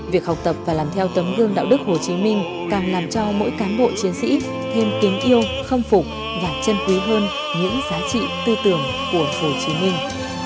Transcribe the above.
việc học tập và làm theo tấm gương đạo đức hồ chí minh càng làm cho mỗi cán bộ chiến sĩ thêm kính yêu khâm phục và chân quý hơn những giá trị tư tưởng của hồ chí minh